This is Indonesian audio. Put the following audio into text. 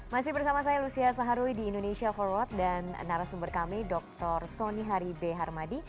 masih bersama saya lucia saharwi di indonesia forward dan narasumber kami dr soni hari b harmadi